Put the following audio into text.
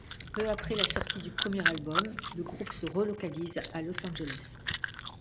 Peu après la sortie du premier album le groupe se relocalise à Los Angeles.